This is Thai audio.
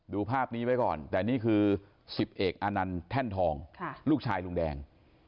ดูภาพนี้ไว้ก่อนแต่นี่คือ๑๐เอกอานันต์แท่นทองลูกชายลุงแดง